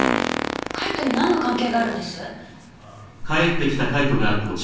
海斗になんの関係があるんです？